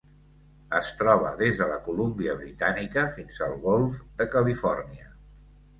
Es troba des de la Colúmbia Britànica fins al Golf de Califòrnia.